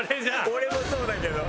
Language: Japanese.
俺もそうだけど。